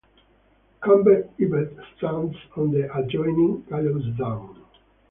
Combe Gibbet stands on the adjoining Gallows Down.